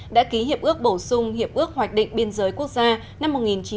đã ký hiệp ước bổ sung hiệp ước hoạch định biên giới quốc gia năm một nghìn chín trăm tám mươi năm